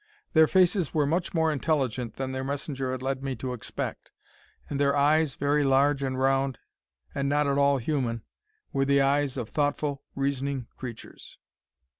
Their faces were much more intelligent than their messenger had led me to expect, and their eyes, very large and round, and not at all human, were the eyes of thoughtful, reasoning creatures.